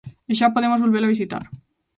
E xa podemos volvela visitar.